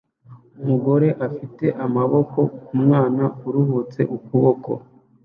Umugore afite amaboko ku mwana uruhutse ukuboko